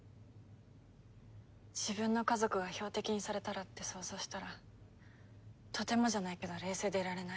自分の家族が標的にされたらって想像したらとてもじゃないけど冷静でいられない。